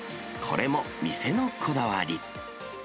これも店のこだわり。